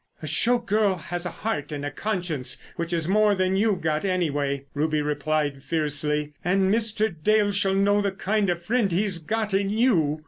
"A show girl has a heart and a conscience, which is more than you've got, anyway," Ruby replied fiercely; "and Mr. Dale shall know the kind of friend he's got in you."